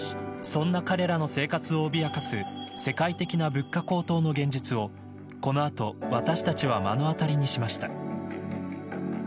そんな彼らの生活を脅かす世界的な物価高騰の現実をこの後私たちは目の当りにしました。